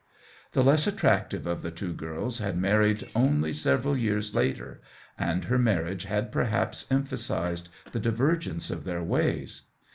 The less attractive of the two girls had married only several years later, and her marriage had perhaps empha sized the divergence of their ways.